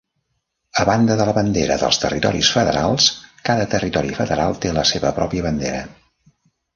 A banda de la bandera dels Territoris Federals, cada territori federal té la seva pròpia bandera.